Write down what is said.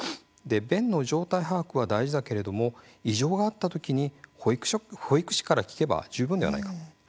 便の状態把握は大事だけれども異常があったときに保育士から聞けば十分ではないか。